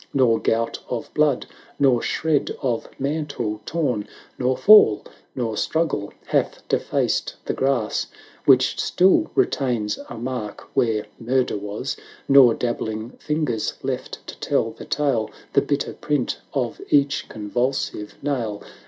] LARA 403 Nor gout of blood, nor shred of mantle torn; Nor fall nor struggle hath defaced the grass, Which still retains a mark where Mur der was; Nor dabbling fingers left to tell the tale, 760 The bitter print of each convulsive nail.